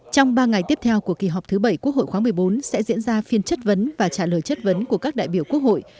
trong ba ngày tiếp theo của kỳ họp thứ bảy quốc hội khóa một mươi bốn sẽ diễn ra phiên chất vấn và trả lời chất vấn của các đại biểu quốc hội